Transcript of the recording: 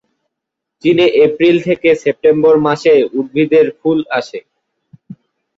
চীনে এপ্রিল থেকে সেপ্টেম্বর মাসে উদ্ভিদে ফুল আসে।